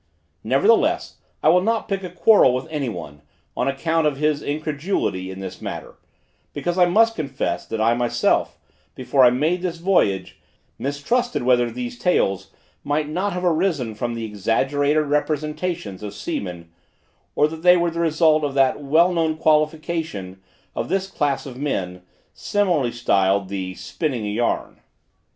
Nevertheless, I will not pick a quarrel with any one, on account of his incredulity in this matter, because I must confess, that I myself, before I made this voyage, mistrusted whether these tales might not have arisen from the exaggerated representations of seamen, or that they were the result of that well known qualification of this class of men, familiarly styled the "spinning a yarn."